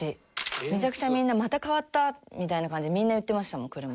めちゃくちゃみんな「また変わった」みたいな感じでみんな言ってましたもん車。